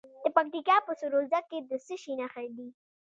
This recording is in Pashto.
د پکتیکا په سروضه کې د څه شي نښې دي؟